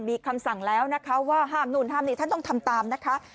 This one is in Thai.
มีคำสั่งแล้วนะคะว่าห้ามนู่นห้ามนี่ท่านต้องทำตามนะคะ